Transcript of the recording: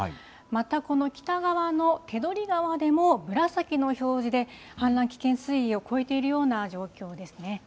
またこの北側の手取川でも紫の表示で、氾濫危険水位を超えているような状況ですね。